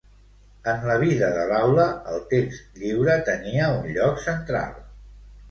En la vida de l'aula el text lliure tenia un lloc central.